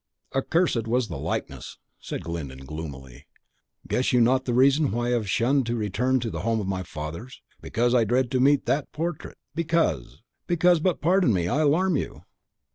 "Accursed was the likeness!" said Glyndon, gloomily. "Guess you not the reason why I have shunned to return to the home of my fathers! because I dreaded to meet that portrait! because because but pardon me; I alarm you!"